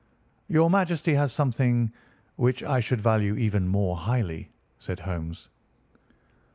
"Your Majesty has something which I should value even more highly," said Holmes.